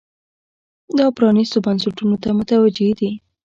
دا پرانیستو بنسټونو ته متوجې دي.